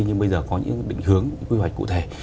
nhưng bây giờ có những định hướng quy hoạch cụ thể